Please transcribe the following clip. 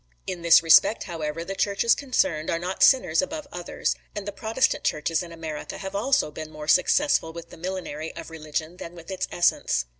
In this respect, however, the churches concerned are not sinners above others; and the Protestant churches in America have also been more successful with the millinery of religion than with its essence.